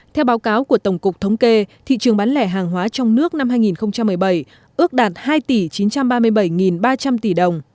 theo báo cáo của tổng cục thống kê thị trường bán lẻ hàng hóa trong nước năm hai nghìn một mươi bảy ước đạt hai tỷ chín trăm ba mươi bảy ba trăm linh tỷ đồng